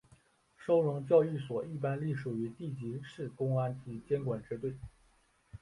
收容教育所一般隶属于地级市公安局监管支队。